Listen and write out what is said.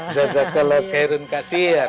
zazakallahu khairul kasir